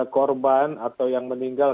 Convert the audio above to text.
korban atau yang meninggal